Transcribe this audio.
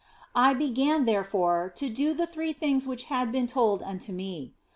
I began, therefore, to do the three things which had been told unto me.